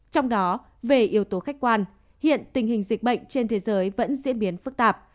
trong đó về yếu tố khách quan hiện tình hình dịch bệnh trên thế giới vẫn diễn biến phức tạp